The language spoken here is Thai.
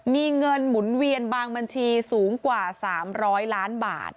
มีเงินหมุนเวียนบางบัญชีสูงกว่า๓๐๐ล้านบาท